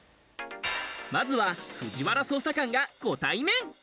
まずは藤原捜査官がご対面。